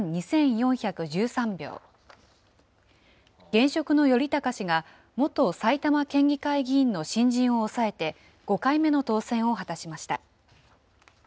現職の頼高氏が、元埼玉県議会議員の新人をおさえて、５回目の当選を果たしました。